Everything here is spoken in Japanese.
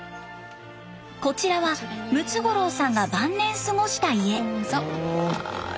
こちらはムツゴロウさんが晩年過ごした家。